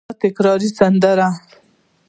د تکرار سندره